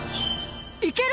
いける！